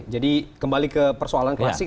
jadi kembali ke persoalan klasik